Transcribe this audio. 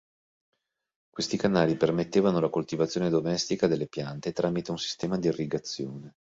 Questi canali permettevano la coltivazione domestica delle piante tramite un sistema di irrigazione.